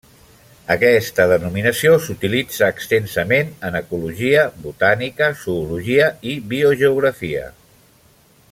Aquesta denominació s'utilitza extensament en ecologia, botànica, zoologia i biogeografia.